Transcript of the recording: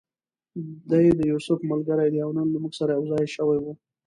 دی د یوسف ملګری دی او نن له موږ سره یو ځای شوی و.